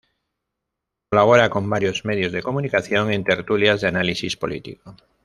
Colabora con varios medios de comunicación en tertulias de análisis político.